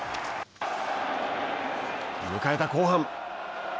迎えた後半。